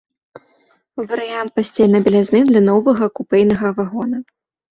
Варыянт пасцельнай бялізны для новага купэйнага вагона.